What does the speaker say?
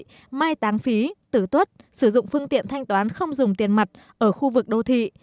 bảo hiểm xã hội mai tán phí tử tuất sử dụng phương tiện thanh toán không dùng tiền mặt ở khu vực đô thị